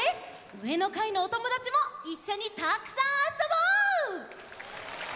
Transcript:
うえのかいのおともだちもいっしょにたくさんあそぼう！